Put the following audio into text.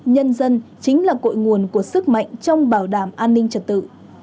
nhân dân chính là cội nguồn của sức mạnh trong bảo đảm an ninh trật tự